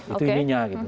itu ininya gitu